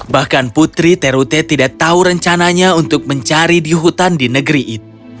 bahkan putri terute tidak tahu rencananya untuk mencari di hutan di negeri itu